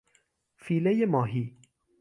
فیلهی ماهی